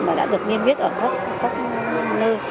và đã được nghiên cứu